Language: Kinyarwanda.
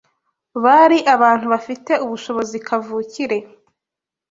Bari abantu bafite ubushobozi kavukire